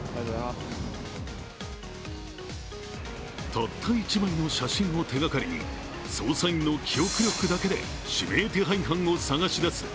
たった１枚の写真を手がかりに捜査員の記憶力だけで指名手配犯を捜し出す